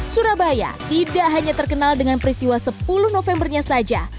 surabaya tidak hanya terkenal dengan peristiwa sepuluh novembernya saja